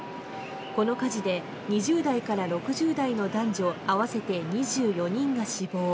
この火事で２０代から６０代の男女合わせて２４人が死亡。